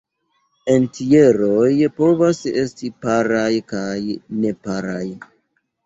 Entjeroj povas esti paraj kaj neparaj.